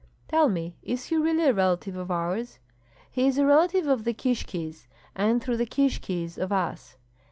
"Tell me, is he really a relative of ours?" "He is a relative of the Kishkis, and through the Kishkis of us."